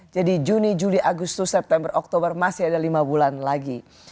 jadi juni juli agustus september oktober masih ada lima bulan lagi